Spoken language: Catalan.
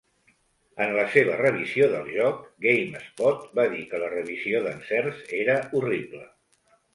En la seva revisió del joc, GameSpot va dir que la revisió d'encerts era horrible.